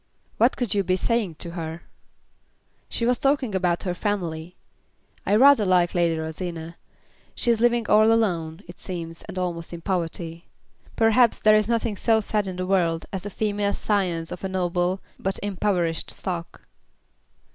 "What could you be saying to her?" "She was talking about her family. I rather like Lady Rosina. She is living all alone, it seems, and almost in poverty. Perhaps there is nothing so sad in the world as the female scions of a noble but impoverished stock."